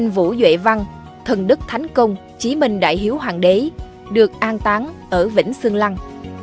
văn thần đức thánh công chí minh đại hiếu hoàng đế được an tán ở vĩnh sương lăng